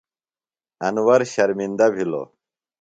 انور شرمِندہ بِھلوۡ۔